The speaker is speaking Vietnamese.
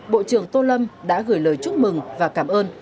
bộ trưởng tô lâm đã gửi lời chúc mừng và cảm ơn